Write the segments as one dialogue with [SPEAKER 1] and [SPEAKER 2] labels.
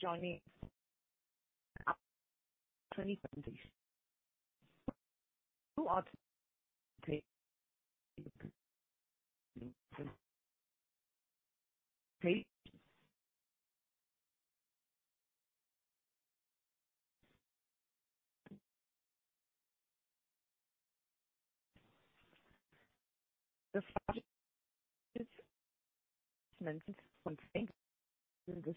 [SPEAKER 1] Joining 2020. Who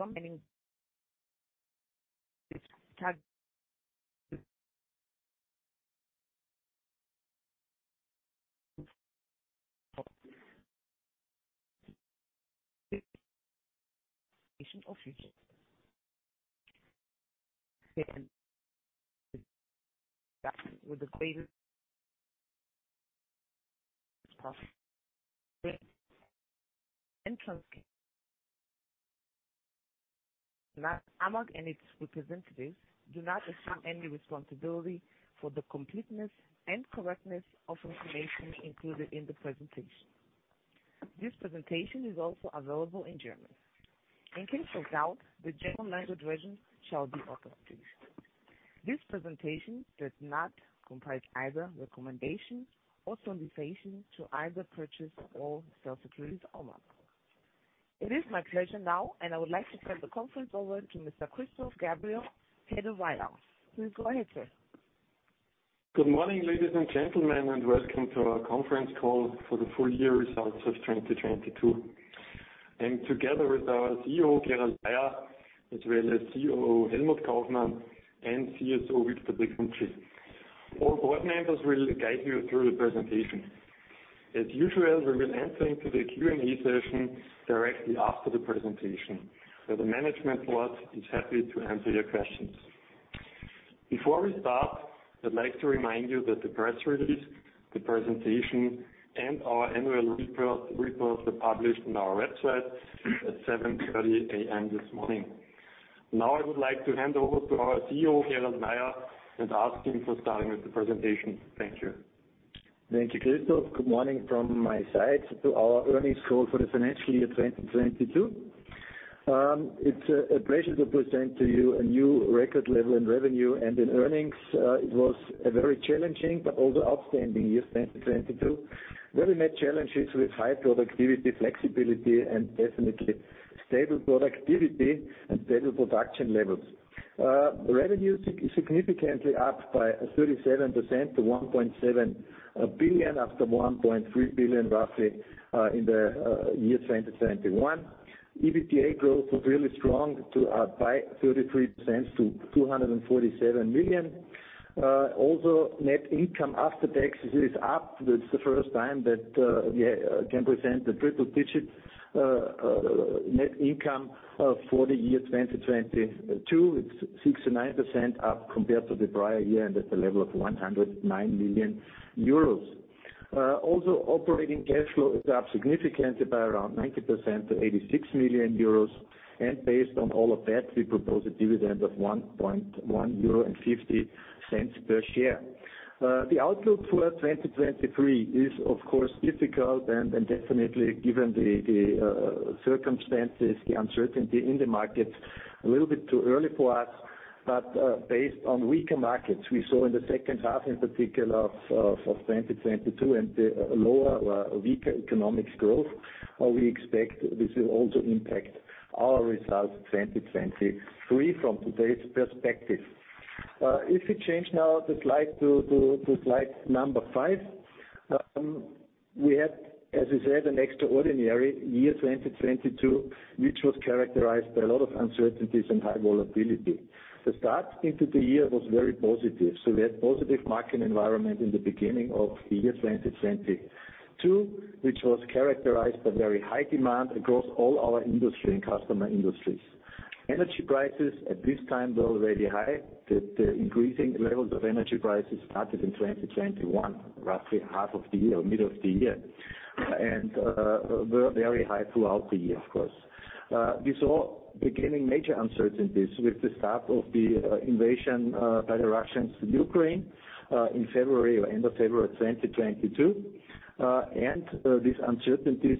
[SPEAKER 1] are the first among and its representatives do not assume any responsibility for the completeness and correctness of information included in the presentation. This presentation is also available in German. In case of doubt, the German language version shall be authoritative. This presentation does not comprise either recommendation or solicitation to either purchase or sell securities or not. It is my pleasure now, I would like to turn the conference over to Mr. Christoph Gabriel, Head of Investor Relations. Please go ahead, sir.
[SPEAKER 2] Good morning, ladies and gentlemen, welcome to our conference call for the full year results of 2022. Together with our CEO, Gerald Mayer, as well as COO Helmut Kaufmann and CSO Victor Breguncci. All board members will guide you through the presentation. As usual, we will enter into the Q&A session directly after the presentation, where the management board is happy to answer your questions. Before we start, I'd like to remind you that the press release, the presentation, and our annual report were published on our website at 7:30 A.M. this morning. Now I would like to hand over to our CEO, Gerald Mayer, and ask him for starting with the presentation. Thank you.
[SPEAKER 3] Thank you, Christoph. Good morning from my side to our earnings call for the financial year 2022. It's a pleasure to present to you a new record level in revenue and in earnings. It was a very challenging but also outstanding year, 2022. We met challenges with high productivity, flexibility, and definitely stable productivity and stable production levels. Revenue significantly upped by 37% to 1.7 billion after 1.3 billion, roughly, in the year 2021. EBITDA growth was really strong to up by 33% to 247 million. Net income after taxes is up. That's the first time that we can present the triple digit net income for the year 2022. It's 69% up compared to the prior year and at the level of 109 million euros. Also operating cash flow is up significantly by around 90% to 86 million euros. Based on all of that, we propose a dividend of 1.60 euro per share. The outlook for 2023 is of course difficult and definitely given the circumstances, the uncertainty in the markets a little bit too early for us. Based on weaker markets we saw in the second half in particular of 2022 and the lower or weaker economic growth, we expect this will also impact our results in 2023 from today's perspective. If you change now the slide to slide five. We had, as we said, an extraordinary year, 2022, which was characterized by a lot of uncertainties and high volatility. The start into the year was very positive, so we had positive market environment in the beginning of the year 2022, which was characterized by very high demand across all our industry and customer industries. Energy prices at this time were already high. The increasing levels of energy prices started in 2021, roughly half of the year or middle of the year. Were very high throughout the year, of course. We saw beginning major uncertainties with the start of the invasion by the Russians in Ukraine in February or end of February 2022. These uncertainties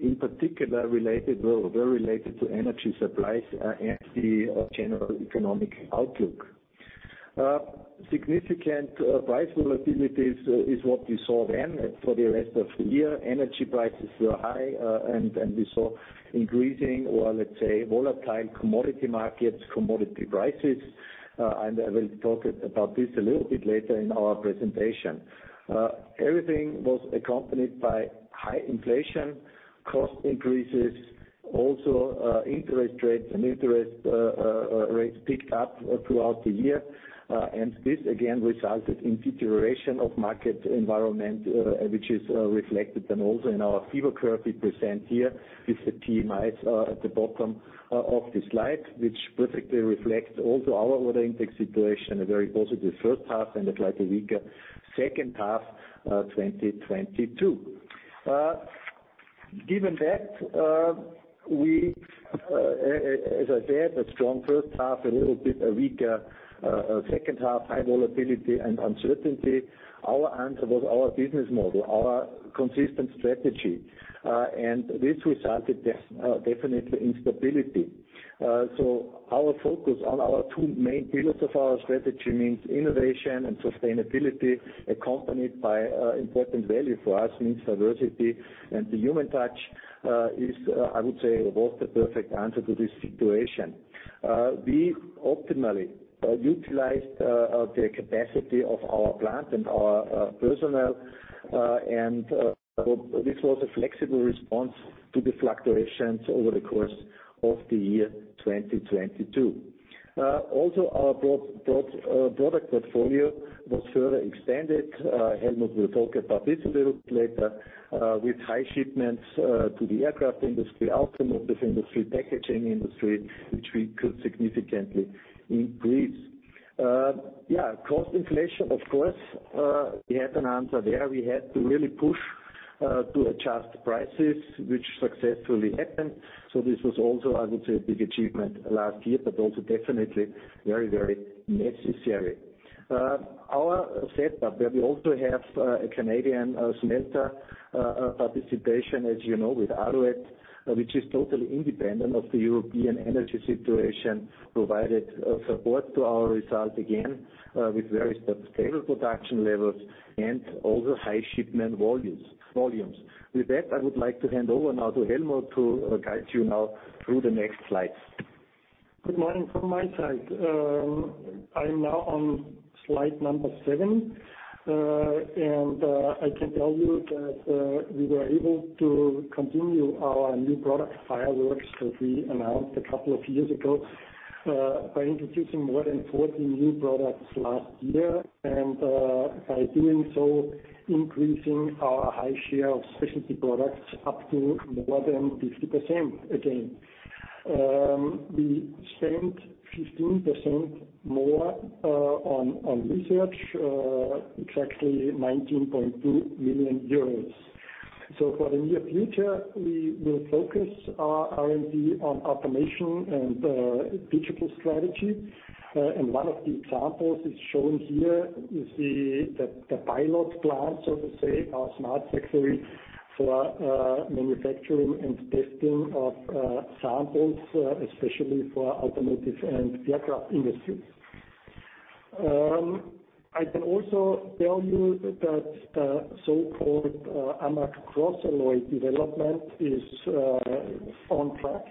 [SPEAKER 3] in particular related or were related to energy supplies and the general economic outlook. Significant price volatilities is what we saw then for the rest of the year. Energy prices were high, we saw increasing or let's say volatile commodity markets, commodity prices. I will talk about this a little bit later in our presentation. Everything was accompanied by high inflation, cost increases, also, interest rates and interest rates picked up throughout the year. This again resulted in deterioration of market environment, which is reflected then also in our fiber curve we present here with the PMIs at the bottom of the slide, which perfectly reflects also our ordering index situation, a very positive first half and a slightly weaker second half, 2022. Given that, we, as I said, a strong first half, a little bit a weaker second half, high volatility and uncertainty. Our answer was our business model, our consistent strategy, and this resulted definitely in stability. Our focus on our two main pillars of our strategy means innovation and sustainability, accompanied by important value for us means diversity. The human touch is, I would say, was the perfect answer to this situation. We optimally utilized the capacity of our plant and our personnel, and this was a flexible response to the fluctuations over the course of the year 2022. Also our broad product portfolio was further extended, Helmut will talk about this a little bit later, with high shipments to the aircraft industry, automotive industry, packaging industry, which we could significantly increase. Cost inflation, of course, we had an answer there. We had to really push to adjust prices, which successfully happened. This was also, I would say, a big achievement last year, but also definitely very, very necessary. Our setup, where we also have a Canadian smelter participation, as you know, with Ardent, which is totally independent of the European energy situation, provided support to our result again with very stable production levels and also high shipment volumes. With that, I would like to hand over now to Helmut to guide you now through the next slides.
[SPEAKER 4] Good morning from my side. I'm now on slide number seven. And I can tell you that we were able to continue our new product fireworks that we announced a couple of years ago, by introducing more than 40 new products last year, and by doing so, increasing our high share of specialty products up to more than 50% again. We spent 15% more on research, exactly 19.2 million euros. For the near future, we will focus our R&D on automation and digital strategy. One of the examples is shown here. You see the pilot plant, so to say, our Smart Factory for manufacturing and testing of samples, especially for automotive and aircraft industries. I can also tell you that the so-called AMAG CrossAlloy development is on track.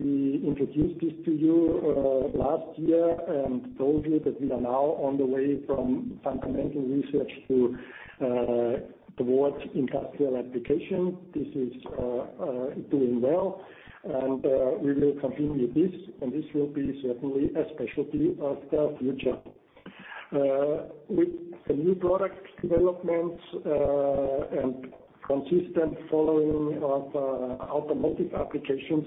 [SPEAKER 4] We introduced this to you last year and told you that we are now on the way from fundamental research to towards industrial application. This is doing well, and we will continue this, and this will be certainly a specialty of the future. With the new product developments and consistent following of automotive applications,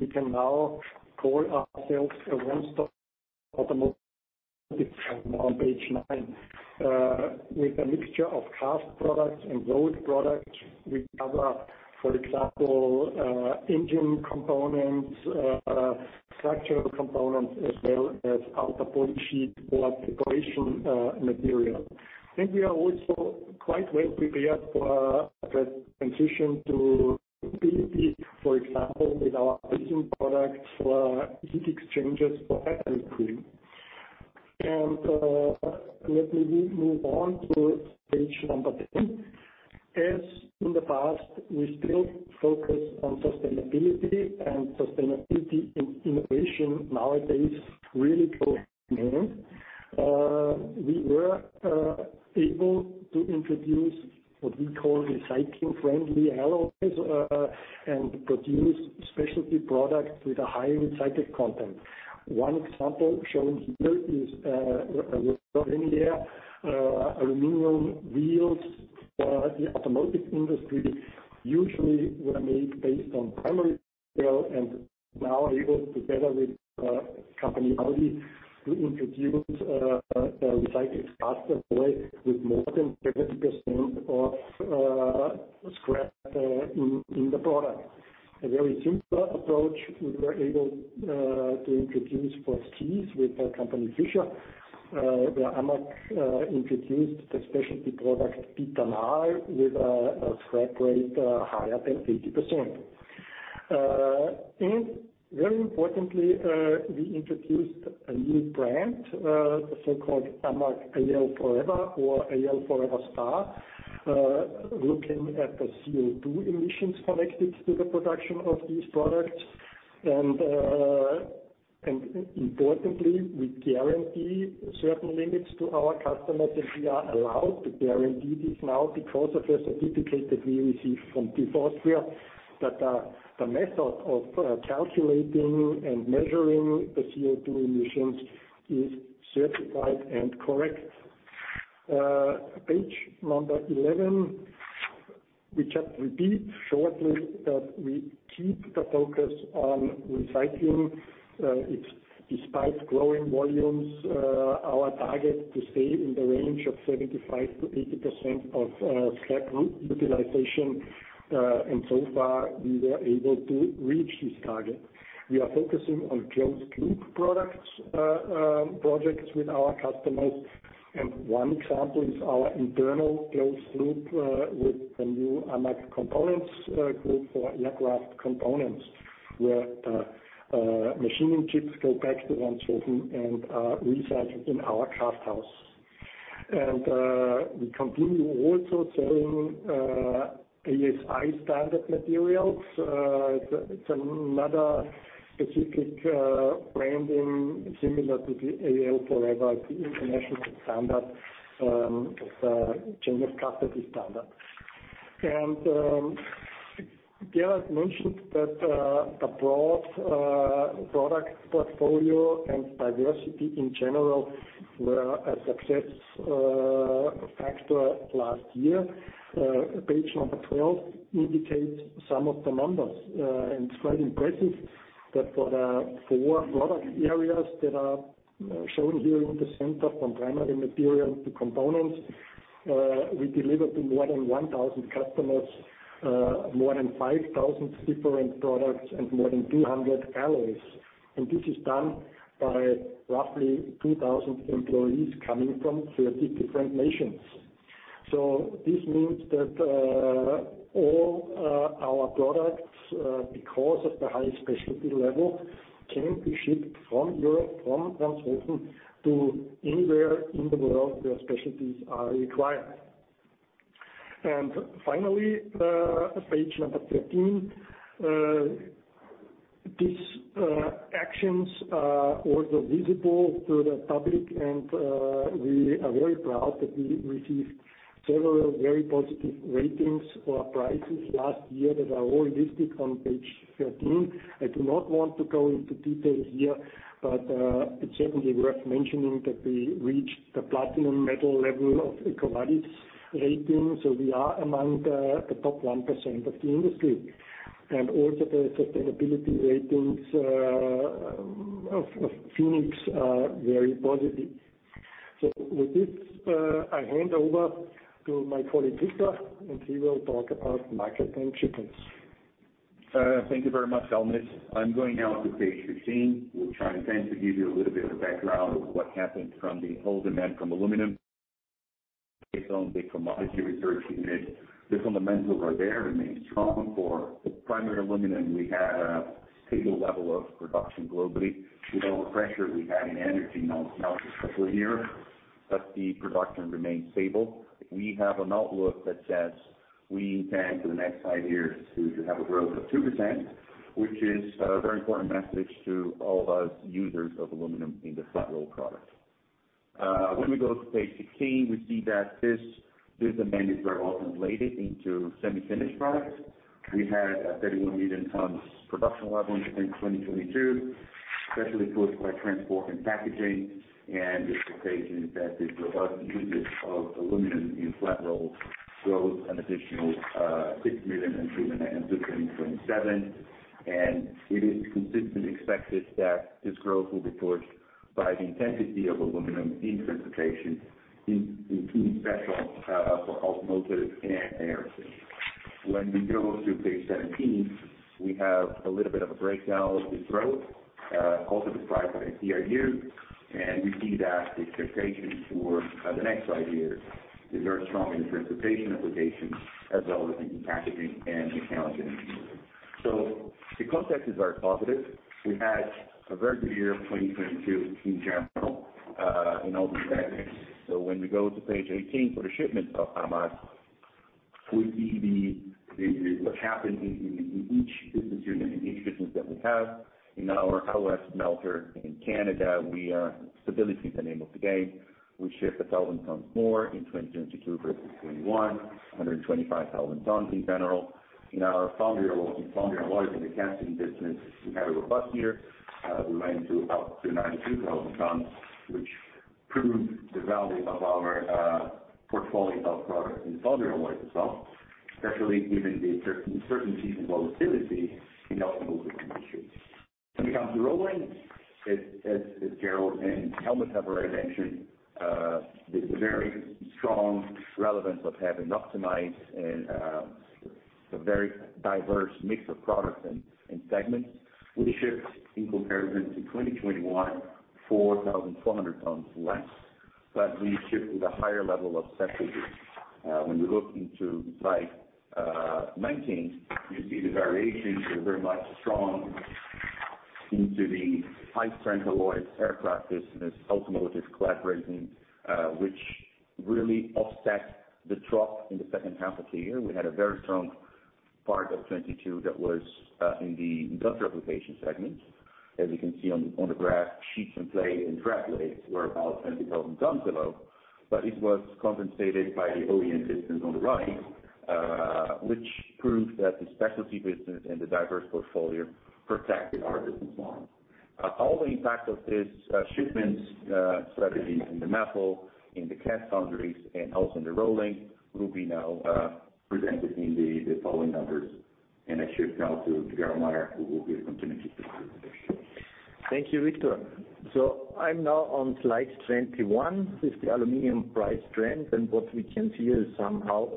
[SPEAKER 4] we can now call ourselves a one-stop automotive on page nine. With a mixture of cast products and rolled products, we cover, for example, engine components, structural components, as well as outer body sheet or decoration material. I think we are also quite well prepared for the transition to PPP, for example, with our existing products for heat exchangers for battery cooling. Let me move on to page 10. As in the past, we still focus on sustainability and sustainability in innovation nowadays really go hand in hand. We were able to introduce what we call recycling friendly alloys and produce specialty products with a high recycled content. One example shown here is with linear aluminum wheels for the automotive industry, usually were made based on primary metal and now are able, together with Audi, to introduce a recycled cast alloy with more than 30% of scrap in the product. A very similar approach, we were able to introduce for skis with Fischer, where AMAG introduced the specialty product, Titanal, with a scrap rate higher than 50%. Very importantly, we introduced a new brand, the so-called AMAG AL4ever or AL4everStar, looking at the CO2 emissions connected to the production of these products. Importantly, we guarantee certain limits to our customers, and we are allowed to guarantee this now because of a certificate that we received from TÜV SÜD here, that the method of calculating and measuring the CO2 emissions is certified and correct. Page number 11. We just repeat shortly that we keep the focus on recycling. It's despite growing volumes, our target to stay in the range of 75%-80% of slab utilization. So far, we were able to reach this target. We are focusing on closed loop products, projects with our customers. One example is our internal closed loop with the new AMAG Components group for aircraft components, where machining chips go back to Ranshofen and are recycled in our cast house. We continue also selling ASI standard materials. It's another specific branding similar to the Al4ever, the international standard, the generous cast standard. Gerald mentioned that a broad product portfolio and diversity in general were a success factor last year. Page number 12 indicates some of the numbers. It's quite impressive that for the four product areas that are shown here in the center, from primary material to components, we delivered to more than 1,000 customers, more than 5,000 different products and more than 200 alloys. This is done by roughly 2,000 employees coming from 30 different nations. This means that all our products, because of the high specialty level, can be shipped from Europe, from Ranshofen to anywhere in the world where specialties are required. Finally, page number 13. These actions are also visible to the public, and we are very proud that we received several very positive ratings or prizes last year that are all listed on page 13. I do not want to go into detail here, but it's certainly worth mentioning that we reached the platinum metal level of EcoVadis rating, so we are among the top 1% of the industry. Also the sustainability ratings of Phoenix are very positive. With this, I hand over to my colleague, Victor, and he will talk about market and shipments.
[SPEAKER 5] Thank you very much, Helmut. I'm going now to page 15. We'll try and tend to give you a little bit of background of what happened from the whole demand from aluminum based on the commodity research unit. The fundamentals are there remain strong. For the primary aluminum, we have stable level of production globally with all the pressure we had in energy melters this year. The production remains stable. We have an outlook that says we intend for the next five years to have a growth of 2%, which is a very important message to all of us users of aluminum in the flat roll product. When we go to page 16, we see that this demand is very well translated into semi-finished products. We had a 31 million tons production level in 2022, especially pushed by transport and packaging. The expectation is that the robust usage of aluminum in flat rolls grows an additional six million and three million in 2027. It is consistently expected that this growth will be pushed by the intensity of aluminum in transportation, in key sectors for automotive and aviation. We go to page 17, we have a little bit of a breakdown of the growth also described by CRU, and we see that the expectations for the next five years is very strong in transportation applications as well as in packaging and mechanical engineering. The context is very positive. We had a very good year, 2022 in general, in all these aspects. When we go to page 18 for the shipments of AMAG, we see what happened in each business unit, in each business that we have. In our OS melter in Canada, we, stability is the name of the game. We shipped 1,000 tons more in 2022 versus 2021, 125,000 tons in general. In our foundry alloys and casting business, we had a robust year. We went up to 92,000 tons, which proved the value of our portfolio of products in foundry alloys as well, especially given the uncertainty and volatility in our automotive conditions. When it comes to rolling, as Gerald and Helmut have already mentioned, the very strong relevance of having optimized and a very diverse mix of products and segments. We shipped in comparison to 2021, 4,400 tons less, but we shipped with a higher level of specialties. When we look into slide 19, you see the variations were very much strong into the high-strength alloys, aircraft business, automotive clad ratings, which really offset the drop in the second half of the year. We had a very strong part of 2022 that was in the industrial application segment. As you can see on the graph, sheets and plates and drag plates were about 20,000 tons below, but it was compensated by the OEM business on the right, which proved that the specialty business and the diverse portfolio protected our business model. All the impact of this shipments strategy in the metal, in the cast foundries, and also in the rolling will be now presented in the following numbers. I shift now to Gerald Mayer who will give continuity to the presentation.
[SPEAKER 3] Thank you, Victor. I'm now on slide 21. This is the aluminum price trend, and what we can see is somehow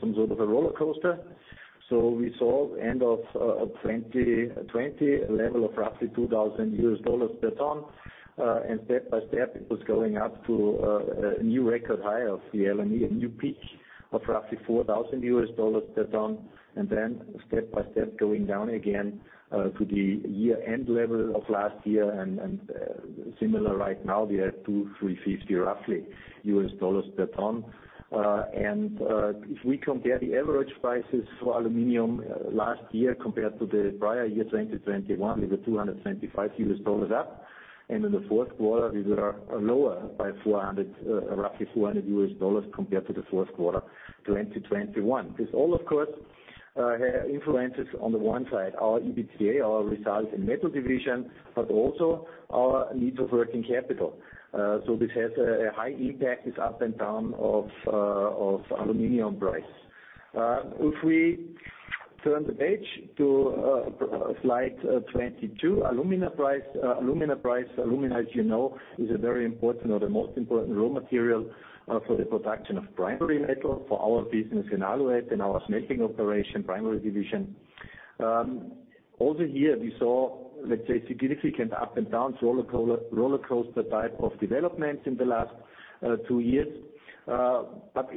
[SPEAKER 3] some sort of a rollercoaster. We saw end of 2020 a level of roughly $2,000 per ton. Step by step it was going up to a new record high of the LME, a new peak of roughly $4,000 per ton. Step by step, going down again to the year-end level of last year, similar right now, we are at $2,350, roughly, per ton. If we compare the average prices for aluminum last year compared to the prior year, 2021, it was $275 up, and in the Q4 these are lower by roughly $400 compared to the Q4, 2021. This all, of course, influences on the one side our EBITDA, our results in metal division, but also our needs of working capital. This has a high impact, this up and down of aluminum price. If we turn the page to slide 22, alumina price, alumina, as you know, is a very important or the most important raw material for the production of primary metal for our business in Alouette and our smelting operation, primary division. Also here we saw, let's say, significant up and downs, rollercoaster type of developments in the last two years. At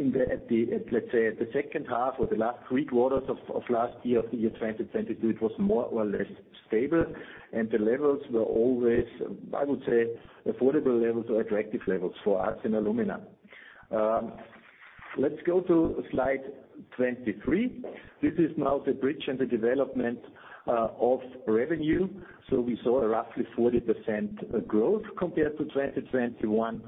[SPEAKER 3] the, let's say, at the second half or the last three quarters of last year, of the year 2022, it was more or less stable, and the levels were always, I would say, affordable levels or attractive levels for us in alumina. Let's go to slide 23. This is now the bridge and the development of revenue. We saw a roughly 40% growth compared to 2021.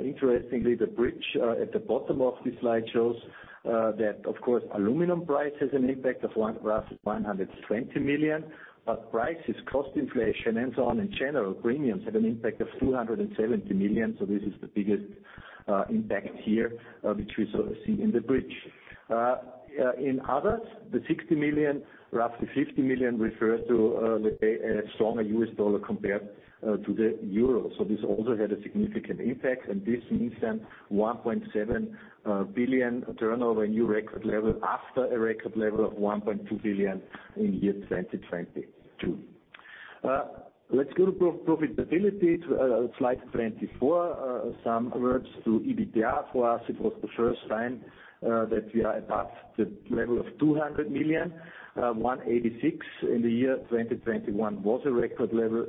[SPEAKER 3] Interestingly, the bridge at the bottom of this slide shows that of course, aluminum price has an impact of roughly 120 million, but prices, cost inflation, and so on, in general, premiums have an impact of 270 million. This is the biggest impact here, which we sort of see in the bridge. In others, the 60 million, roughly 50 million refers to, let's say a stronger US dollar compared to the euro. This also had a significant impact, and this means then 1.7 billion turnover, a new record level after a record level of 1.2 billion in the year 2022. Let's go to pro-profitability, slide 24. Some words to EBITDA. For us, it was the first time that we are above the level of 200 million. 186 million in the year 2021 was a record level,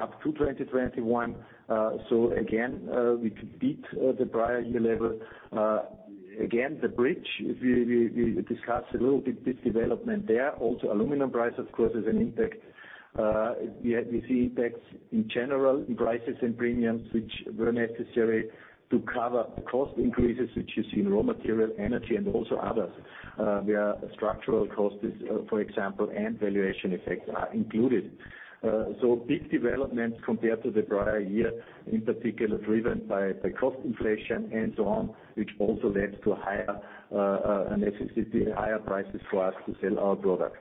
[SPEAKER 3] up to 2021. Again, we beat the prior year level. Again, the bridge, if you, we discuss a little bit this development there. Aluminum price of course, has an impact. We see impacts in general in prices and premiums, which were necessary to cover cost increases, which is in raw material, energy, and also others, where structural costs, for example, and valuation effects are included. Big developments compared to the prior year, in particular driven by cost inflation and so on, which also led to higher a necessity, higher prices for us to sell our products.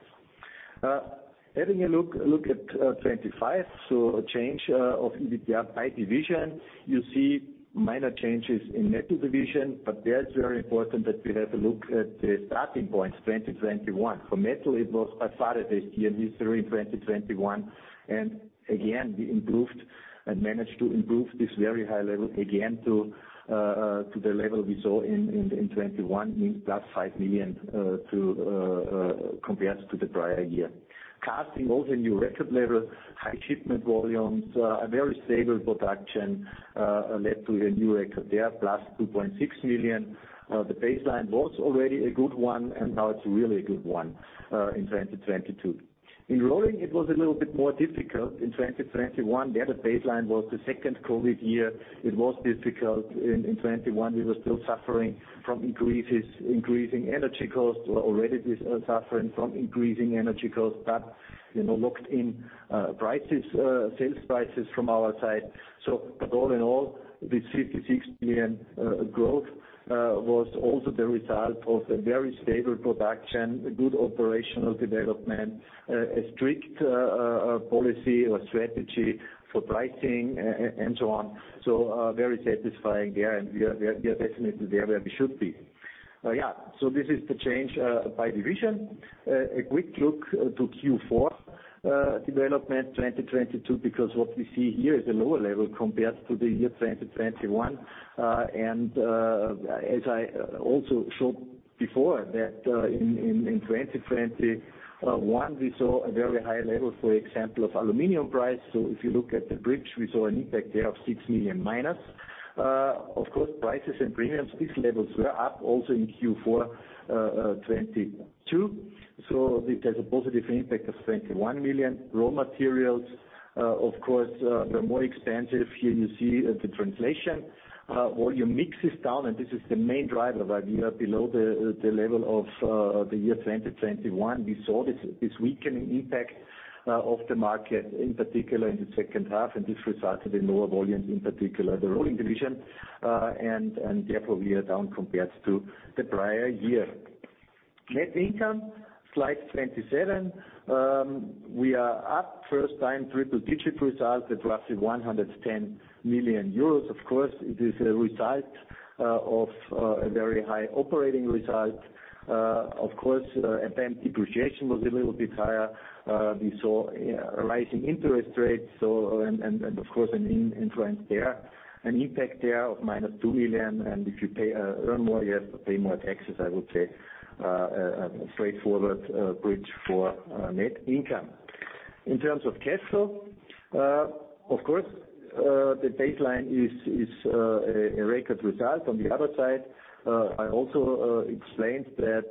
[SPEAKER 3] Having a look at 25, a change of EBITDA by division. You see minor changes in metal division, but there it's very important that we have a look at the starting points, 2021. For metal, it was as far as the year history in 2021, and again, we improved and managed to improve this very high level again to the level we saw in 2021, means +5 million compared to the prior year. Casting also a new record level, high shipment volumes, a very stable production led to a new record there, +2.6 million. The baseline was already a good one, and now it's really a good one in 2022. In rolling, it was a little bit more difficult in 2021. There, the baseline was the second COVID year. It was difficult in 2021. We were still suffering from increasing energy costs. We already were suffering from increasing energy costs, but, you know, locked in prices, sales prices from our side. All in all, the 56 million growth was also the result of a very stable production, a good operational development, a strict policy or strategy for pricing and so on. Very satisfying there, and we are definitely there where we should be. Yeah, this is the change by division. A quick look to Q4 development 2022, because what we see here is a lower level compared to the year 2021. And as I also showed before, that in 2021, we saw a very high level, for example, of aluminum price. If you look at the bridge, we saw an impact there of 6 million minus. Of course, prices and premiums, these levels were up also in Q4 2022, so it has a positive impact of 21 million. Raw materials, of course, were more expensive. Here you see the translation. Volume mix is down, and this is the main driver why we are below the level of the year 2021. We saw this weakening impact of the market, in particular in the second half, and this resulted in lower volumes, in particular the rolling division. Therefore we are down compared to the prior year. Net income, slide 27. We are up first time triple digit result at roughly 110 million euros. Of course, it is a result of a very high operating result. Of course, at then depreciation was a little bit higher. We saw rising interest rates, of course an influence there, an impact there of minus 2 million. If you pay, earn more, you have to pay more taxes, I would say. A straightforward bridge for net income. In terms of cash flow, of course, the baseline is a record result. On the other side, I also explained that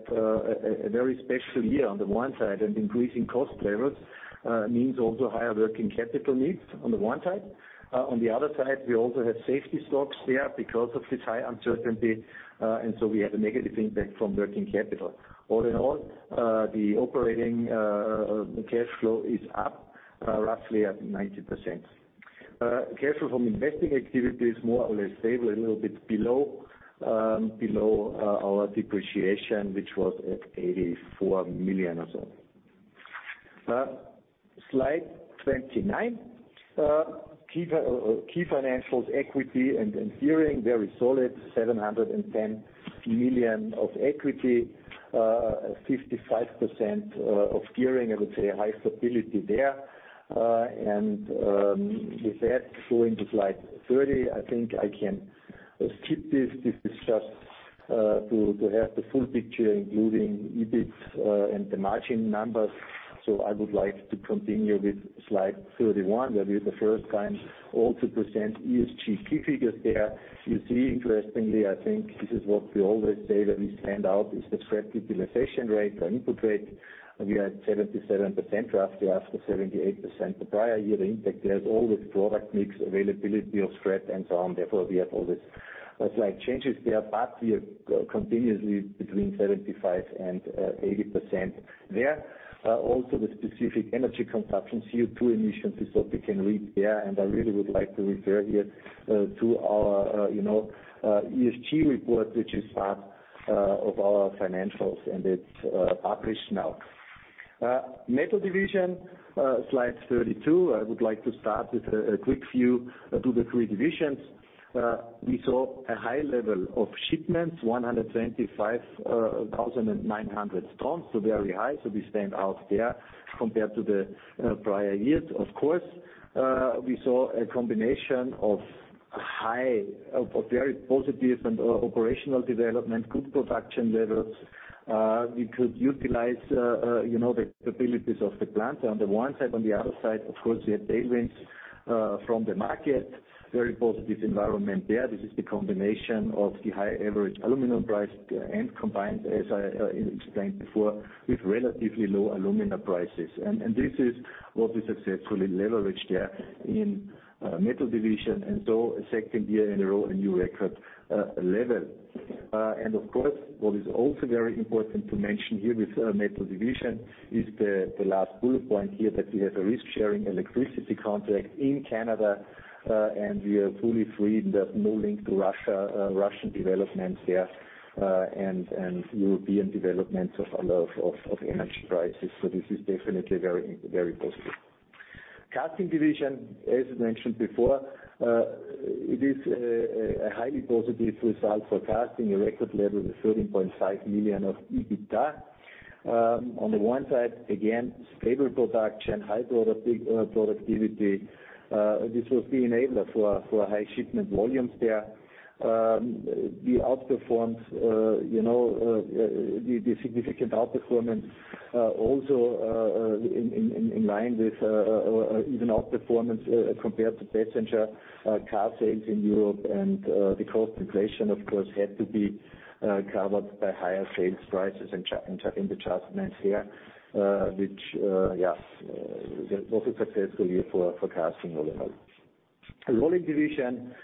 [SPEAKER 3] a very special year on the one side and increasing cost levels means also higher working capital needs on the one side. On the other side, we also have safety stocks there because of the high uncertainty, we had a negative impact from working capital. All in all, the operating cash flow is up roughly at 90%. Cash flow from investing activity is more or less stable, a little bit below our depreciation, which was at 84 million or so. Slide 29. Key financials, equity and gearing, very solid, 710 million of equity, 55% of gearing, I would say high stability there. With that, going to slide 30, I think I can skip this. This is just to have the full picture including EBIT and the margin numbers. I would like to continue with slide 31, where we have the first time also present ESG key figures there. You see interestingly, I think this is what we always say that we stand out is the scrap utilization rate or input rate. We had 77% roughly after 78% the prior year. The impact there is always product mix, availability of scrap and so on. Therefore, we have all these slide changes there, but we are continuously between 75% and 80% there. Also the specific energy consumption, CO2 emissions is what we can read there. I really would like to refer here to our, you know, ESG report, which is part of our financials and it's published now. Metal division, slide 32. I would like to start with a quick view to the three divisions. We saw a high level of shipments, 125,900 tons, very high. We stand out there compared to the prior years. Of course, we saw a combination of high, of very positive and operational development, good production levels. We could utilize, you know, the capabilities of the plant on the one side. On the other side, of course, we had tailwinds from the market, very positive environment there. This is the combination of the high average aluminum price and combined, as I explained before, with relatively low alumina prices. This is what we successfully leveraged there in metal division. A second year in a row, a new record level. Of course, what is also very important to mention here with metal division is the last bullet point here that we have a risk sharing electricity contract in Canada, and we are fully freed of no link to Russia, Russian developments there, and European developments of energy prices. This is definitely very, very positive. Casting division, as mentioned before, it is a highly positive result for casting, a record level of 13.5 million of EBITA. On the one side, again, stable production, high productivity. This was the enabler for high shipment volumes there. We outperformed, you know, the significant outperformance, also in line with even outperformance compared to passenger car sales in Europe. The cost inflation, of course, had to be covered by higher sales prices and adjustments here, which, yes, was a successful year for casting overall. Rolling division,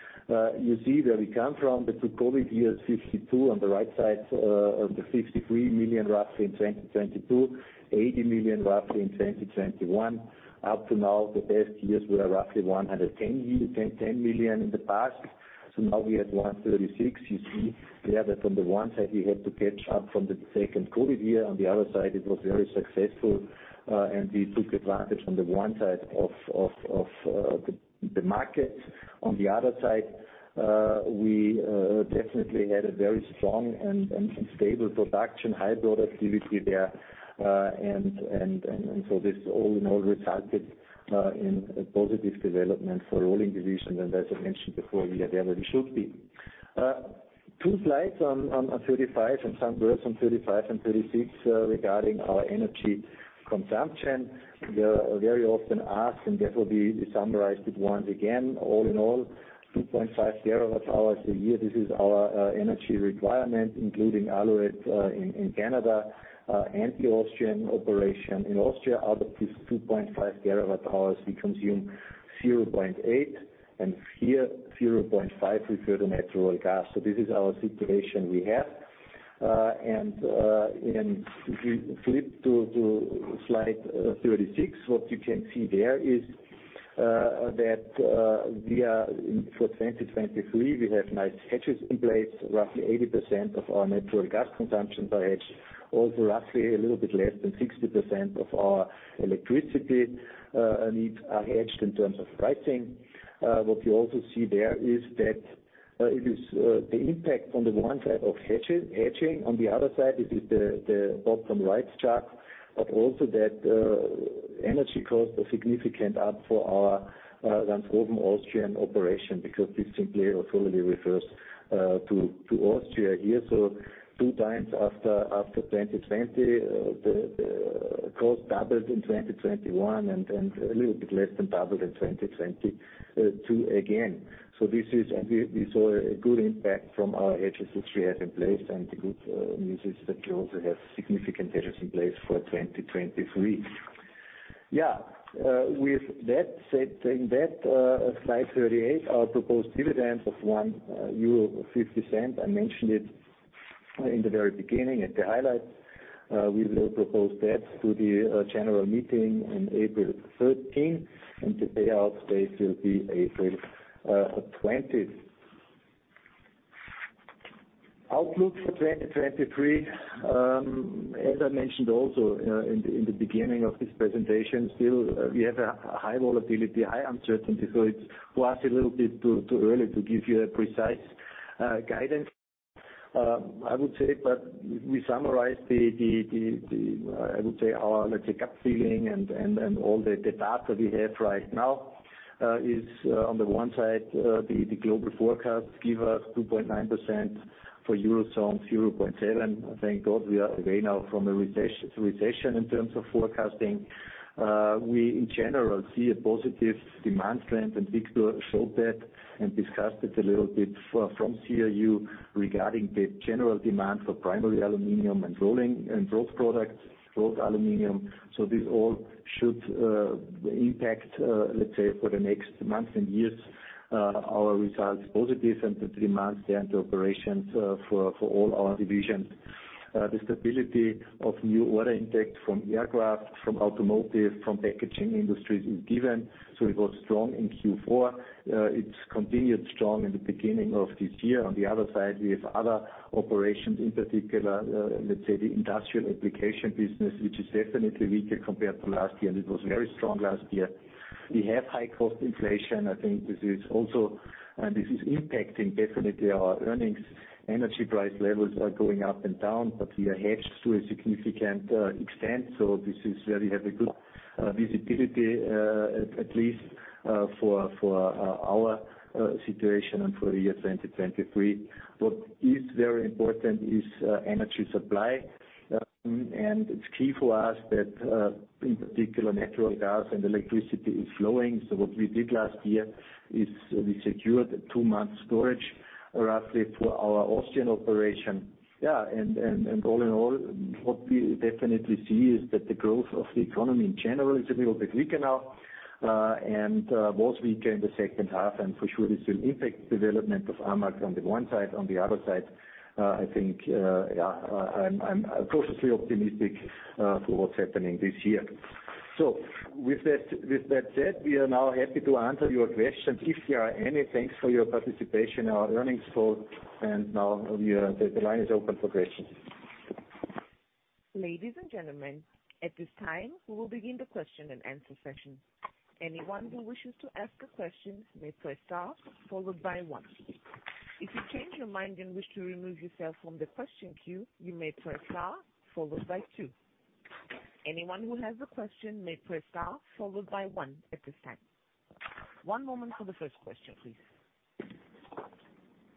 [SPEAKER 3] you see where we come from, the two COVID years, 52 on the right side, of the 53 million roughly in 2022, 80 million roughly in 2021. Up to now, the best years were roughly 110 million in the past. Now we have 136 million. You see here that on the one side, we had to catch up from the second COVID year. On the other side, it was very successful, and we took advantage on the one side of the market. On the other side, we definitely had a very strong and stable production, high productivity there. This all in all resulted in a positive development for rolling division. As I mentioned before, we are there where we should be. Two slides on 35 and some words on 35 and 36 regarding our energy consumption. We are very often asked, and therefore we summarize it once again, all in all, 2.5 gigawatt hours a year. This is our energy requirement, including Alouette in Canada and the Austrian operation. In Austria, out of these 2.5 gigawatt hours, we consume 0.8 and here 0.5 with further natural gas. This is our situation we have. And if you flip to slide 36, what you can see there is that we are, for 2023, we have nice hedges in place, roughly 80% of our natural gas consumption by hedge, also roughly a little bit less than 60% of our electricity needs are hedged in terms of pricing. What you also see there is that it is the impact on the one side of hedges, hedging. On the other side, it is the bottom right chart, but also that energy costs are significant up for our Austrian operation because this simply or solely refers to Austria here. So two times after 2020, the cost doubled in 2021 and a little bit less than doubled in 2022 again. This is and we saw a good impact from our hedges that we have in place, and the good news is that we also have significant hedges in place for 2023. Yeah, with that said, in that slide 38, our proposed dividend of 1 euro or 50 cent, I mentioned it in the very beginning at the highlights. We will propose that to the general meeting on April 13th, and the payout date will be April 20th. Outlook for 2023, as I mentioned also in the beginning of this presentation, still, we have a high volatility, high uncertainty. It's for us a little bit too early to give you a precise guidance, I would say. We summarized the, I would say our, let's say, gut feeling and all the data we have right now, is on the one side, the global forecast give us 2.9% for Eurozone, 0.7%. Thank God we are away now from a recession in terms of forecasting. We in general see a positive demand trend. Victor showed that and discussed it a little bit from CRU regarding the general demand for primary aluminum and rolling end growth products, growth aluminum. This all should impact, let's say, for the next months and years, our results positive and the demand and the operations for all our divisions. The stability of new order intake from aircraft, from automotive, from packaging industries is given, so it was strong in Q4. It's continued strong in the beginning of this year. On the other side, we have other operations, in particular, let's say, the industrial application business, which is definitely weaker compared to last year, and it was very strong last year. We have high cost inflation. I think this is impacting definitely our earnings. Energy price levels are going up and down, but we are hedged to a significant extent. This is where we have a good visibility at least for our situation and for the year 2023. What is very important is energy supply, and it's key for us that in particular, natural gas and electricity is flowing. What we did last year is we secured a two month storage roughly for our Austrian operation. All in all, what we definitely see is that the growth of the economy in general is a little bit weaker now, and most weaker in the second half, and for sure this will impact development of AMAG on the one side. On the other side, I think, yeah, I'm cautiously optimistic for what's happening this year. With that said, we are now happy to answer your questions if there are any. Thanks for your participation in our earnings call. Now the line is open for questions.
[SPEAKER 1] Ladies and gentlemen, at this time, we will begin the question-and-answer session. Anyone who wishes to ask a question may press star followed by one. If you change your mind and wish to remove yourself from the question queue, you may press star followed by two. Anyone who has a question may press star followed by one at this time. One moment for the first question, please.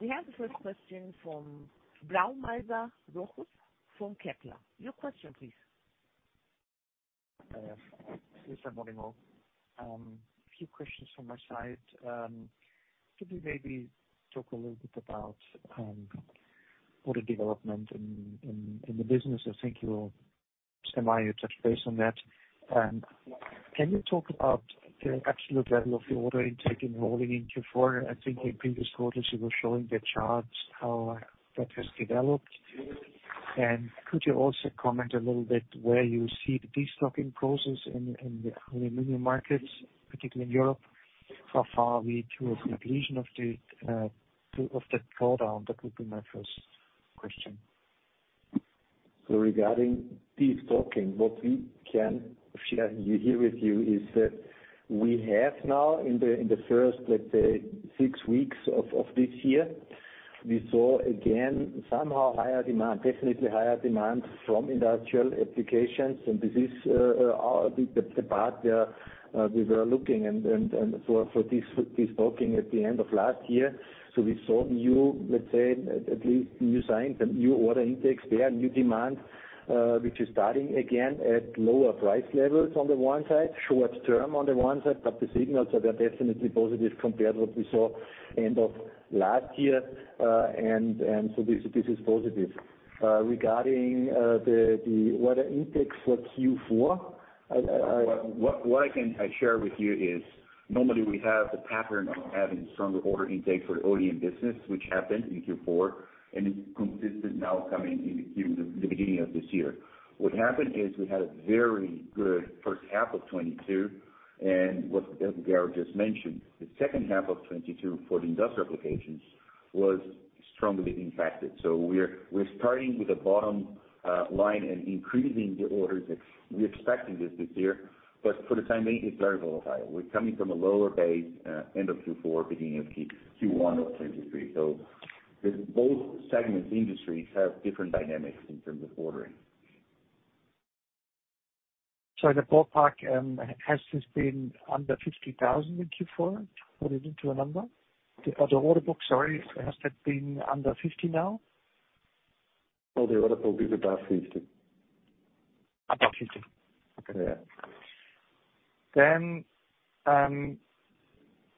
[SPEAKER 1] We have the first question from Rochus Brauneiser from Kepler Cheuvreux. Your question please.
[SPEAKER 6] Yes. Lisa, morning all. A few questions from my side. Could you maybe talk a little bit about order development in the business? I think you, Semi, you touched base on that. Can you talk about the absolute level of the order intake in rolling in Q4? I think in previous quarters you were showing the charts how that has developed. Could you also comment a little bit where you see the destocking process in the aluminum markets, particularly in Europe? How far are we towards the completion of that drawdown? That would be my first question.
[SPEAKER 3] Regarding destocking, what we can share here with you is that we have now in the first, let's say, six weeks of this year, we saw again somehow higher demand, definitely higher demand from industrial applications. This is the part we were looking and for destocking at the end of last year. We saw new, let's say, at least new signs and new order intakes there, new demand, which is starting again at lower price levels on the one side, short term on the one side, but the signals are, they're definitely positive compared what we saw end of last year. This is positive. Regarding the order intakes for Q4, I
[SPEAKER 5] What I can share with you is normally we have the pattern of having stronger order intake for the ODM business, which happened in Q4, and it's consistent now coming in the beginning of this year. What happened is we had a very good first half of 2022, and what, as Gerhard just mentioned, the second half of 2022 for the industrial applications was strongly impacted. We're starting with the bottom line and increasing the orders. We're expecting this this year, but for the time being, it's very volatile. We're coming from a lower base, end of Q4, beginning of Q1 of 2023. Both segments, industries have different dynamics in terms of ordering.
[SPEAKER 6] The ballpark, has this been under 50,000 in Q4? Put it into a number. The order book, sorry, has that been under 50 now?
[SPEAKER 3] No, the order book is above 50.
[SPEAKER 5] Above 50.
[SPEAKER 3] Yeah.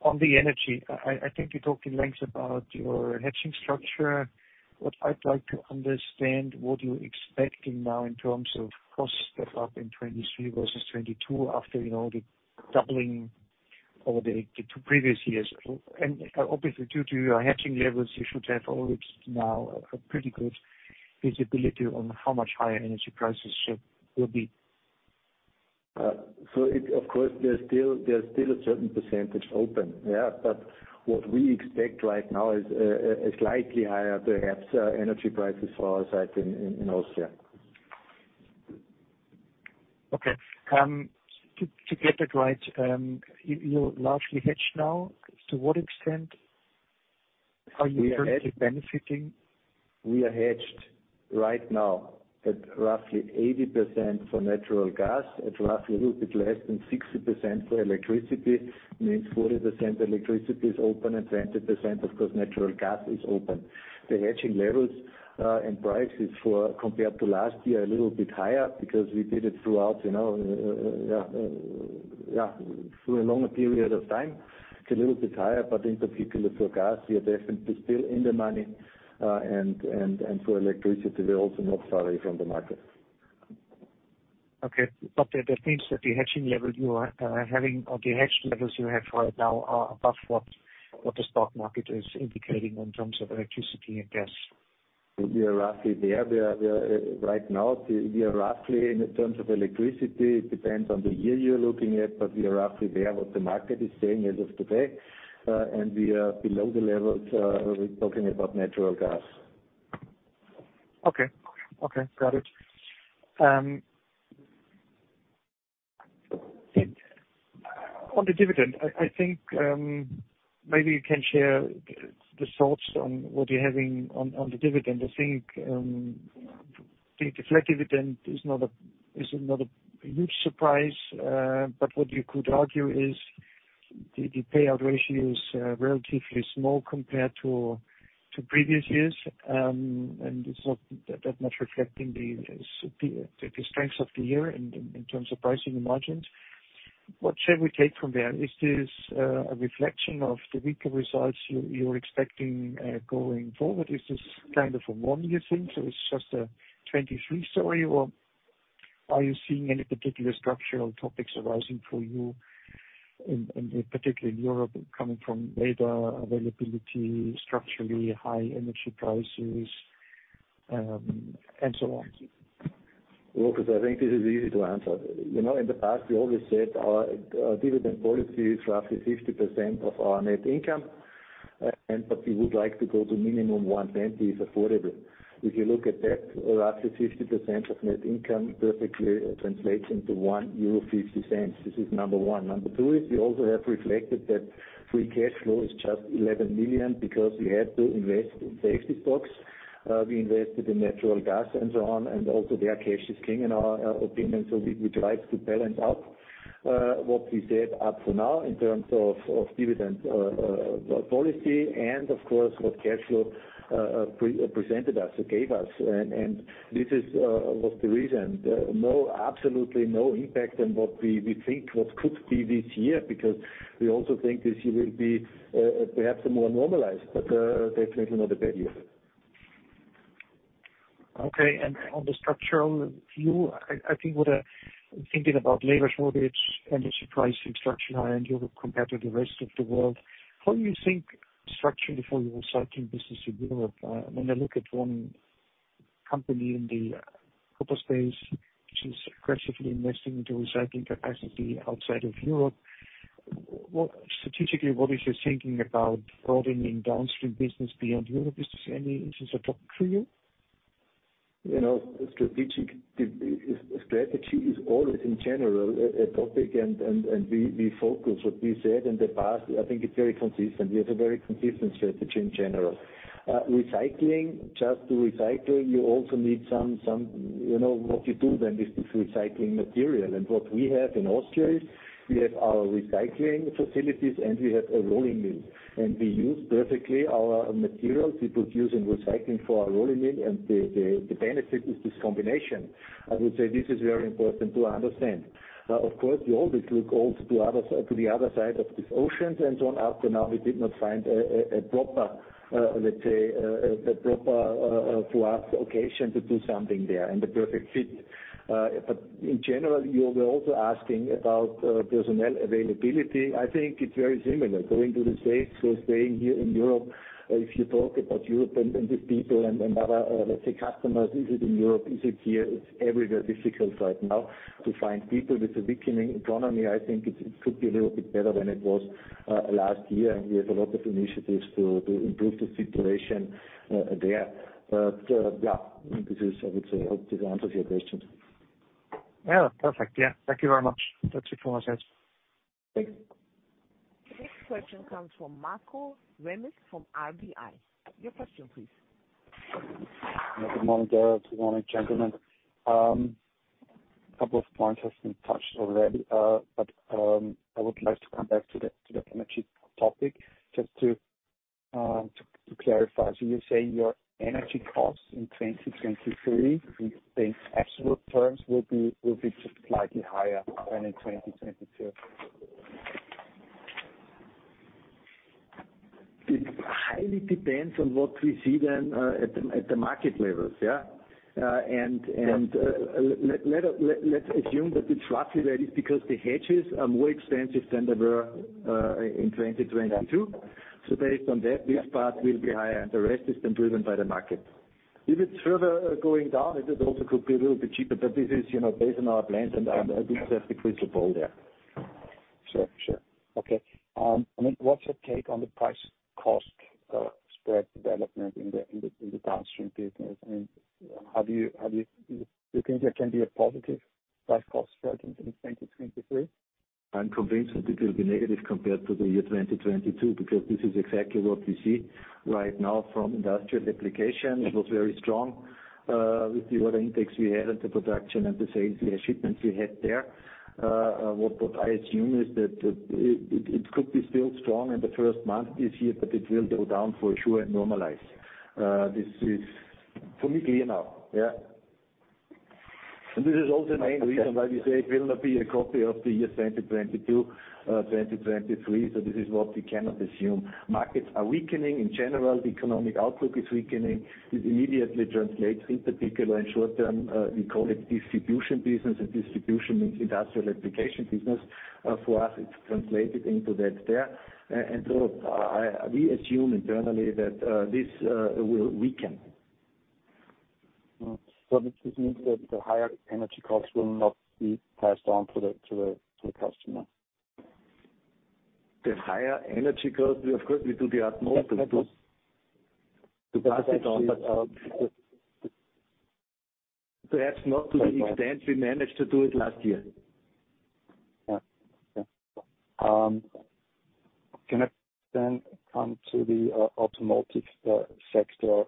[SPEAKER 6] On the energy, I think you talked at length about your hedging structure. What I'd like to understand what you're expecting now in terms of costs that are up in 2023 versus 2022 after, you know, the doubling over the two previous years? Obviously, due to your hedging levels, you should have always now a pretty good visibility on how much higher energy prices will be.
[SPEAKER 3] Of course, there's still a certain % open, yeah. What we expect right now is slightly higher, perhaps, energy prices for our site in Austria.
[SPEAKER 6] To get that right, you're largely hedged now. To what extent are you currently benefiting?
[SPEAKER 3] We are hedged right now at roughly 80% for natural gas, at roughly a little bit less than 60% for electricity, means 40% electricity is open and 20%, of course, natural gas is open. The hedging levels and prices for compared to last year a little bit higher because we did it throughout, you know, through a longer period of time. It's a little bit higher, in particular for gas, we are definitely still in the money, and for electricity, we're also not far away from the market.
[SPEAKER 6] Okay. That means that the hedging level you are having or the hedge levels you have right now are above what the stock market is indicating in terms of electricity and gas.
[SPEAKER 3] We are roughly there. We are right now, we are roughly in terms of electricity, it depends on the year you're looking at, but we are roughly there what the market is saying as of today. We are below the levels, we're talking about natural gas.
[SPEAKER 6] Okay. Okay. Got it. On the dividend, I think, maybe you can share the thoughts on what you're having on the dividend. I think, the flat dividend is not a huge surprise, but what you could argue is the payout ratio is relatively small compared to previous years. It's not that much reflecting the strengths of the year in terms of pricing and margins. What shall we take from there? Is this a reflection of the weaker results you're expecting going forward? Is this kind of a one-year thing, so it's just a 23 story? Are you seeing any particular structural topics arising for you in particular in Europe coming from labor availability, structurally high energy prices, and so on?
[SPEAKER 3] Because I think this is easy to answer. You know, in the past, we always said our dividend policy is roughly 50% of our net income. But we would like to go to minimum 1/10 is affordable. If you look at that, roughly 50% of net income perfectly translates into 1.50 euro. This is number one. Number two is we also have reflected that free cash flow is just 11 million because we had to invest in the exit stocks. We invested in natural gas and so on, and also there cash is king in our opinion. We try to balance out what we said up to now in terms of dividend policy and of course, what cash flow pre-presented us or gave us. This is was the reason. No, absolutely no impact on what we think what could be this year, because we also think this year will be perhaps more normalized, but definitely not a bad year.
[SPEAKER 6] Okay. On the structural view, I think what I'm thinking about labor shortage and the pricing structure high end Europe compared to the rest of the world. How do you think structurally for your recycling business in Europe? When I look at one company in the copper space which is aggressively investing into recycling capacity outside of Europe, strategically, what is your thinking about broadening downstream business beyond Europe? Is this any interest or topic for you?
[SPEAKER 3] You know, strategy is always in general a topic and we focus what we said in the past. I think it's very consistent. We have a very consistent strategy in general. Recycling, just recycling, you also need some, you know, what you do then with this recycling material. What we have in Austria is we have our recycling facilities, and we have a rolling mill. We use perfectly our materials we produce in recycling for our rolling mill. The benefit is this combination. I would say this is very important to understand. Of course, we always look also to other side, to the other side of this ocean and so on. Up to now, we did not find a proper, let's say, a proper, for us, location to do something there and the perfect fit. In general, you were also asking about personnel availability. I think it's very similar going to the States or staying here in Europe. If you talk about Europe and these people and other, let's say customers, is it in Europe? Is it here? It's everywhere difficult right now to find people. With the weakening economy, I think it could be a little bit better than it was last year, and we have a lot of initiatives to improve the situation there. Yeah, this is, I would say, I hope this answers your questions.
[SPEAKER 6] Yeah. Perfect. Yeah. Thank you very much. That's it from us guys.
[SPEAKER 1] Thank you. The next question comes from Marko Remec from RBI. Your question, please.
[SPEAKER 7] Good morning, Darrell. Good morning, gentlemen. A couple of points has been touched already, I would like to come back to the energy topic just to clarify. You say your energy costs in 2023 in absolute terms will be just slightly higher than in 2022.
[SPEAKER 3] It highly depends on what we see then at the market levels. Let's assume that it's roughly that is because the hedges are more expensive than they were in 2022. Based on that, this part will be higher and the rest has been driven by the market. If it's further going down, it is also could be a little bit cheaper, this is, you know, based on our plans, I think that's the principle there.
[SPEAKER 7] Sure. Sure. Okay. I mean, what's your take on the price cost spread development in the downstream business? How do you... Do you think there can be a positive price cost spread into 2023?
[SPEAKER 3] I'm convinced that it will be negative compared to the year 2022, because this is exactly what we see right now from industrial application. It was very strong with the order intakes we had and the production and the sales, the shipments we had there. What I assume is that it could be still strong in the first month this year, but it will go down for sure and normalize. This is for me clear now. This is also the main reason why we say it will not be a copy of the year 2022, 2023. This is what we cannot assume. Markets are weakening in general. The economic outlook is weakening. This immediately translates in particular in short term, we call it distribution business, and distribution means industrial application business. For us, it's translated into that there. We assume internally that this will weaken.
[SPEAKER 7] This means that the higher energy costs will not be passed on to the customer.
[SPEAKER 3] The higher energy costs, we of course will do our utmost to pass it on, but perhaps not to the extent we managed to do it last year.
[SPEAKER 7] Yeah. Yeah. Can I come to the automotive sector?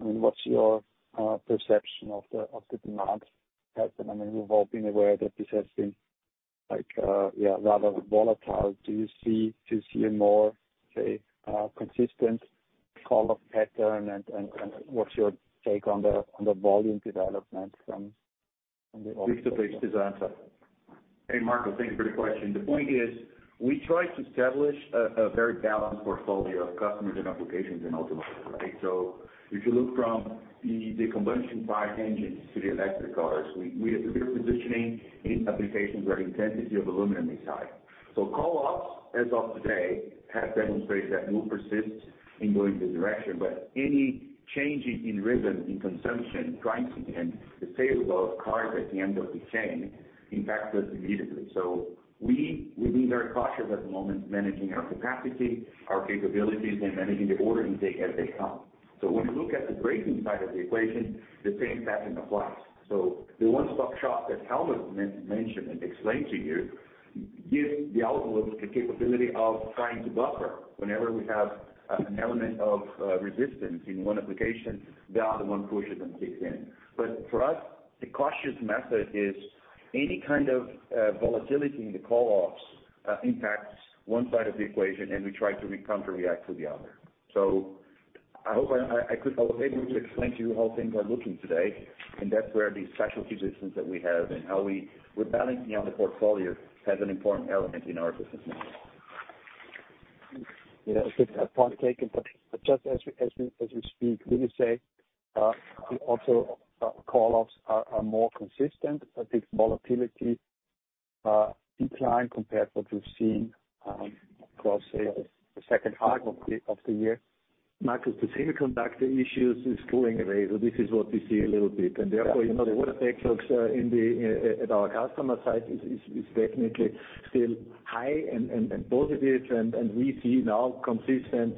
[SPEAKER 7] I mean, what's your perception of the demand pattern? I mean, we've all been aware that this has been like, yeah, rather volatile. Do you see a more, say, consistent call-up pattern and what's your take on the volume development?
[SPEAKER 3] Victor, please answer.
[SPEAKER 5] Hey, Marko. Thanks for the question. The point is we try to establish a very balanced portfolio of customers and applications in automotive, right? If you look from the combustion part engines to the electric cars, we have a good positioning in applications where intensity of aluminum is high. Call ups as of today have demonstrated that we'll persist in going this direction. Any changes in rhythm, in consumption, pricing, and the sale of cars at the end of the chain impacts us immediately. We need very cautious at the moment managing our capacity, our capabilities, and managing the order intake as they come. When we look at the braking side of the equation, the same pattern applies. The one-stop shop that Helmut mentioned and explained to you gives the outlook the capability of trying to buffer. Whenever we have an element of resistance in one application, the other one pushes and kicks in. For us, the cautious method is any kind of volatility in the call ups, impacts one side of the equation, and we try to counter react to the other. I hope I was able to explain to you how things are looking today. That's where the specialty business that we have and how we're balancing out the portfolio has an important element in our business model.
[SPEAKER 7] Yeah. Good. Point taken. Just as we speak, will you say, also call ups are more consistent, a big volatility decline compared what we've seen, across, say, the second half of the year?
[SPEAKER 3] Marko, the semiconductor issues is going away. This is what we see a little bit. Therefore, you know, the order backlogs in the, at our customer side is definitely still high and positive, and we see now consistent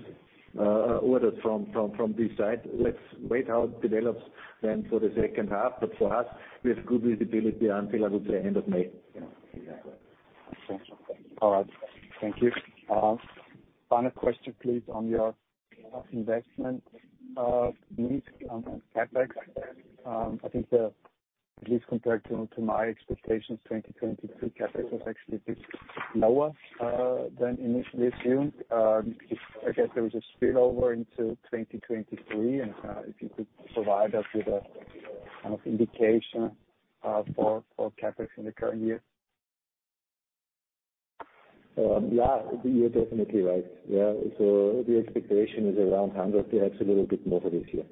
[SPEAKER 3] orders from this side. Let's wait how it develops then for the second half. For us, we have good visibility until, I would say, end of May.
[SPEAKER 7] Yeah. Exactly. All right. Thank you. final question, please, on your investment needs on CapEx. I think at least compared to my expectations, 2022 CapEx was actually a bit lower than initially assumed. I guess there was a spillover into 2023, and if you could provide us with a kind of indication for CapEx in the current year.
[SPEAKER 3] Yeah, you're definitely right. Yeah. The expectation is around 100, perhaps a little bit more for this year.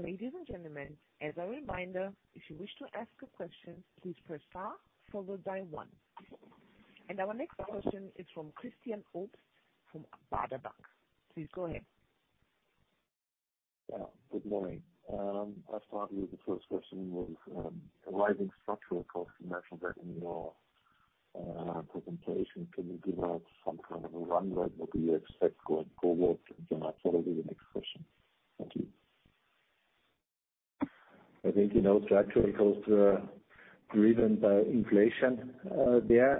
[SPEAKER 7] All right. Thank you.
[SPEAKER 1] Ladies and gentlemen, as a reminder, if you wish to ask a question, please press star followed by one. Our next question is from Christian Obst from Baader Bank. Please go ahead.
[SPEAKER 8] Yeah, good morning. I'll start with the first question with rising structural costs. You mentioned that in your presentation. Can you give us some kind of a runway what we expect going forward? Then I follow with the next question. Thank you.
[SPEAKER 3] I think, you know, structurally, costs are driven by inflation there.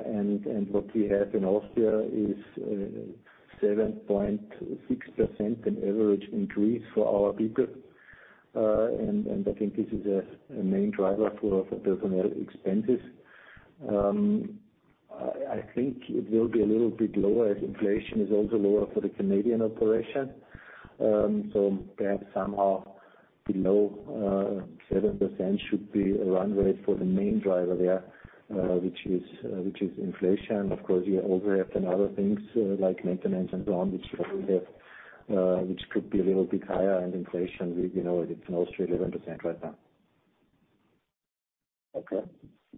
[SPEAKER 3] What we have in Austria is 7.6% in average increase for our people. I think this is a main driver for the personnel expenses. I think it will be a little bit lower as inflation is also lower for the Canadian operation. Perhaps somehow below 7% should be a runway for the main driver there, which is inflation. Of course, you overhead and other things, like maintenance and so on, which probably have, which could be a little bit higher. Inflation, you know, it's in Austria 11% right now.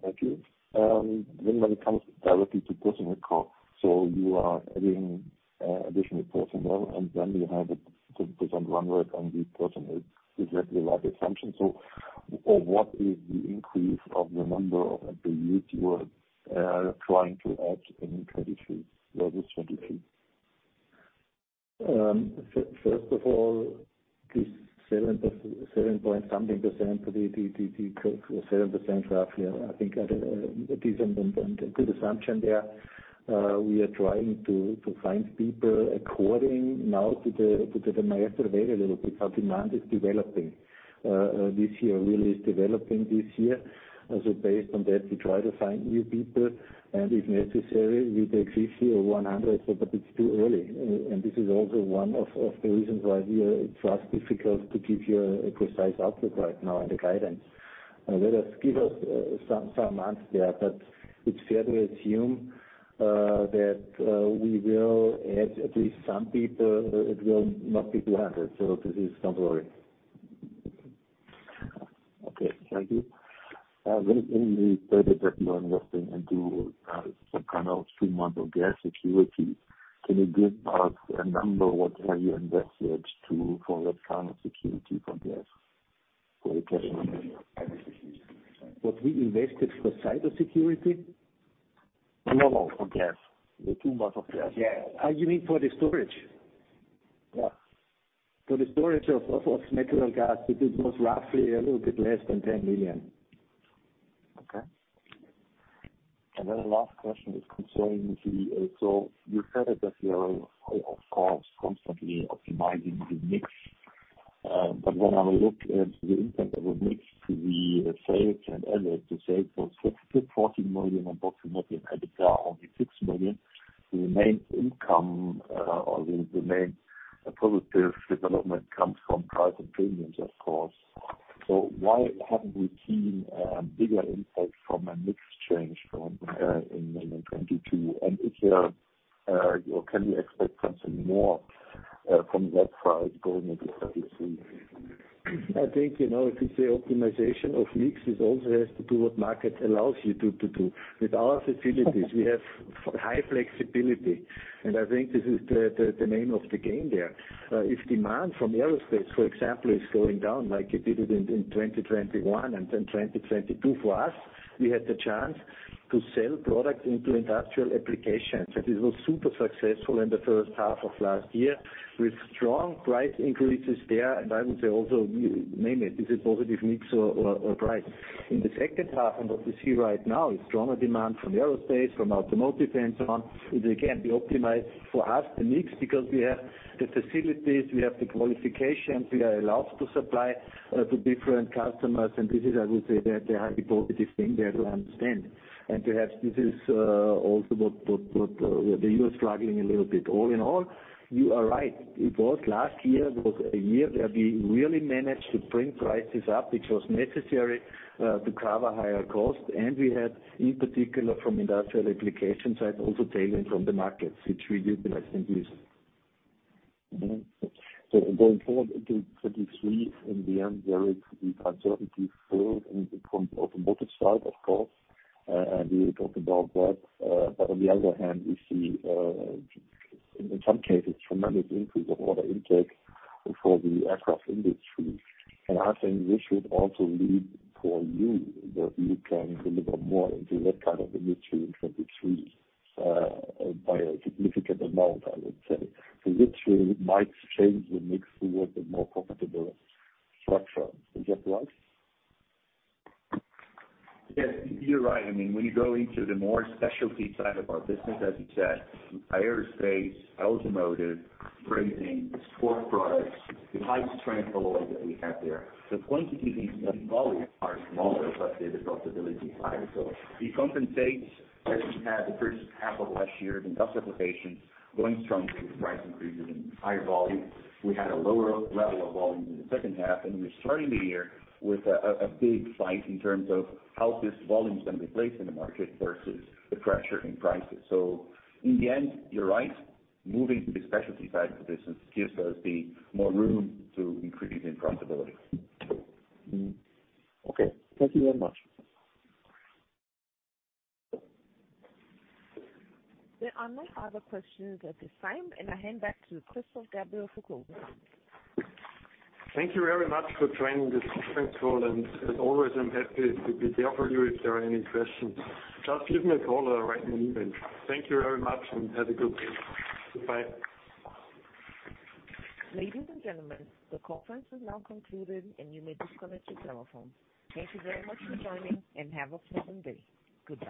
[SPEAKER 8] Thank you. When it comes directly to personnel cost, you are adding additional personnel, and then you have a 10% runway on the personnel. Is that the right assumption? What is the increase of the number of employees you are trying to add in 2022 versus 2023?
[SPEAKER 3] First of all, this seven point something % or the 7% roughly, I think a decent and a good assumption there. We are trying to find people according now to the market available because demand is developing. This year really is developing this year. Based on that, we try to find new people, and if necessary, we take 50 or 100. It's too early. This is also one of the reasons why it's for us difficult to give you a precise outlook right now and a guidance. Give us some months there. It's fair to assume that we will add at least some people. It will not be 200. Don't worry.
[SPEAKER 8] Okay, thank you. When you stated that you are investing into some kind of three month of gas security, can you give us a number what have you invested for that kind of security for gas? For the question.
[SPEAKER 3] What we invested for cybersecurity?
[SPEAKER 8] No, for gas. The two months of gas.
[SPEAKER 3] You mean for the storage?
[SPEAKER 8] Yeah.
[SPEAKER 3] For the storage of natural gas, it was roughly a little bit less than 10 million.
[SPEAKER 8] Okay. The last question is concerning. You said that you are of course constantly optimizing the mix. When I look at the impact of the mix, the sales and others, the sales was EUR 64 million and bottom up in EBITDA only 6 million. The main income, or the main positive development comes from price and premiums, of course. Why haven't we seen a bigger impact from a mix change from, in 2022? If you are, or can we expect something more, from that price going into 2023?
[SPEAKER 3] I think, you know, if you say optimization of mix, it also has to do what market allows you to do. With our facilities, we have high flexibility, and I think this is the name of the game there. If demand from aerospace, for example, is going down like it did in 2021 and then 2022, for us, we had the chance to sell products into industrial applications. This was super successful in the first half of last year with strong price increases there. I would say also, you name it, this is positive mix or price. In the second half and what we see right now is stronger demand from aerospace, from automotive and so on. It again be optimized for us the mix because we have the facilities, we have the qualifications, we are allowed to supply to different customers. This is, I would say, the highly positive thing there to understand. Perhaps this is also what the US struggling a little bit. All in all, you are right. It was last year was a year where we really managed to bring prices up, which was necessary to cover higher costs. We had, in particular from industrial application side, also taken from the markets, which we utilized and used.
[SPEAKER 8] Mm-hmm. So going forward into 2023, in the end, there is the uncertainty still in the from automotive side, of course, and we will talk about that. But on the other hand, we see in some cases, tremendous increase of order intake for the aircraft industry. I think this should also lead for you that you can deliver more into that kind of a mix in 2023, by a significant amount, I would say. Which might change the mix towards a more profitable structure. Is that right?
[SPEAKER 5] Yes, you're right. I mean, when you go into the more specialty side of our business, as you said, aerospace, automotive, brazing, sport products, the high-strength alloys that we have there, the quantities and volumes are smaller, but the profitability is higher. It compensates that we had the first half of last year, the industrial applications going strongly with price increases and higher volume. We had a lower level of volume in the second half, and we're starting the year with a big fight in terms of how this volume is gonna be placed in the market versus the pressure in prices. In the end, you're right. Moving to the specialty side of the business gives us the more room to increase in profitability.
[SPEAKER 8] Mm-hmm. Okay. Thank you very much.
[SPEAKER 1] There are no further questions at this time, and I hand back to Christoph Gabriel for closing.
[SPEAKER 2] Thank you very much for joining this conference call, and as always, I'm happy to be there for you if there are any questions. Just give me a call or write me an email. Thank you very much and have a good day. Goodbye.
[SPEAKER 1] Ladies and gentlemen, the conference is now concluded. You may disconnect your telephones. Thank you very much for joining. Have a pleasant day. Goodbye.